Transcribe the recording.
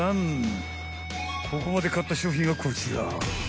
［ここまで買った商品はこちら］